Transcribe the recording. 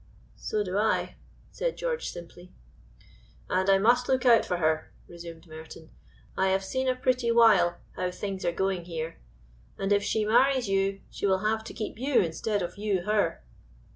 "So do I!" said George simply. "And I must look out for her," resumed Merton. "I have seen a pretty while how things are going here, and if she marries you she will have to keep you instead of you her."